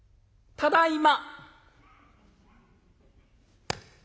ただいま。